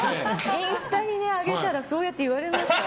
インスタに上げたらそうやって言われました。